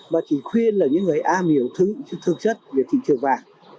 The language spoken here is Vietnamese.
và chỉ khuyên là những người am hiểu thương chất về thị trường vàng